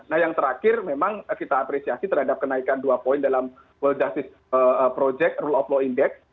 nah yang terakhir memang kita apresiasi terhadap kenaikan dua poin dalam world justice project rule of law index